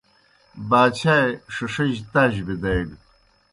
باچھائے ݜِݜِجیْ تاج بِدیگہ۔